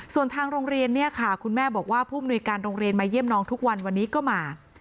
ส่วนทางโรงเรียนเนี่ยค่ะคุณแม่บอกว่าผู้มนุยการโรงเรียนมาเยี่ยมน้องทุกวันวันนี้ก็มา